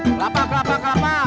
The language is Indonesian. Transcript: kelapa kelapa kelapa